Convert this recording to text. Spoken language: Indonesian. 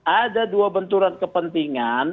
ada dua benturan kepentingan